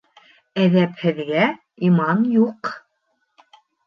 Әҙәпһеҙгә иман юҡ.